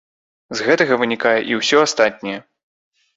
З гэтага вынікае і ўсё астатняе.